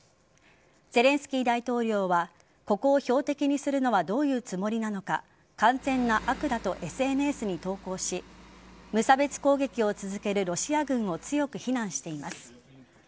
ゼレンスキー大統領はここを標的にするのはどういうつもりなのか完全な悪だとＳＮＳに投稿し無差別攻撃を続けるロシア軍を強く非難しています。